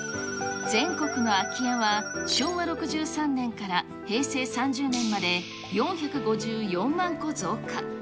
全国の空き家は、昭和６３年から平成３０年まで、４５４万戸増加。